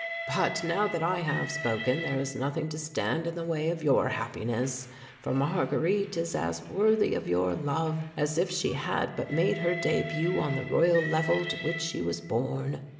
But now that I have spoken there is nothing to stand in the way of your happiness, for Marguerite is as worthy of your love as if she had but made her début on the Royal Level to which she was born.